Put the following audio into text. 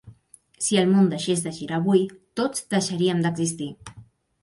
Si el món deixés de girar avui, tots deixaríem d'existir.